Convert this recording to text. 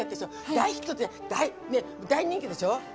大ヒット、大人気でしょ？